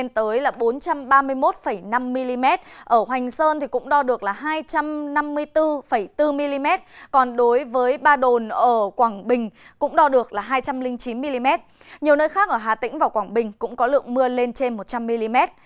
nhiều nơi khác ở hà tĩnh và quảng bình cũng có lượng mưa lên trên một trăm linh mm